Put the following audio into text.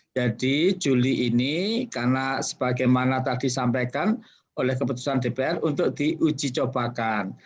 jadi juli ini karena sebagaimana tadi disampaikan oleh keputusan dpr untuk diuji cobakan